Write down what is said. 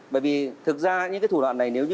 bởi vì thực ra những cái thủ đoạn này nếu như